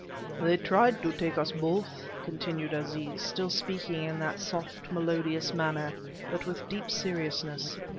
"They tried to take us both," continued Aziz still speaking in that soft, melodious manner, but with deep seriousness.